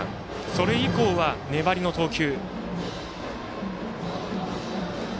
それ以降は粘りの投球。